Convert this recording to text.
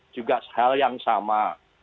juga hal yang sama